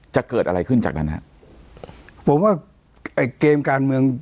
จะเกิดอะไรขึ้นจากนั้นฮะผมว่าไอ้เกมการเมือง